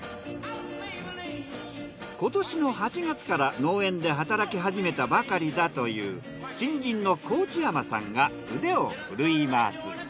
今年の８月から農園で働きはじめたばかりだという新人の河内山さんが腕を振るいます。